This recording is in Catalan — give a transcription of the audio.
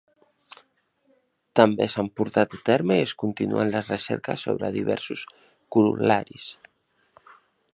També s'han portat a terme i es continuen les recerques sobre diversos corol·laris.